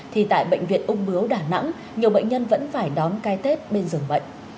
thì tại bệnh viện ung bướu đà nẵng nhiều bệnh nhân vẫn phải đón cái tết bên giường bệnh